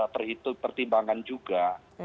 perhitung pertimbangan juga